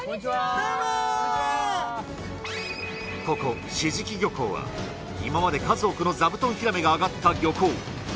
ここ志々伎漁港は今まで数多くのざぶとんヒラメが揚がった漁港。